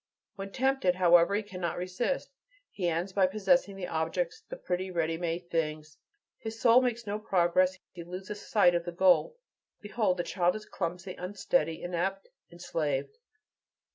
When tempted, however, he cannot resist. He ends by possessing the objects, the pretty, ready made things; his soul makes no progress; he loses sight of the goal. Behold the child clumsy, unsteady, inept, enslaved!